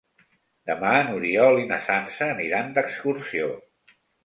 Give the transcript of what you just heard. Demà n'Oriol i na Sança aniran d'excursió.